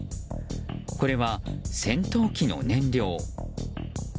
これは戦闘機の燃料。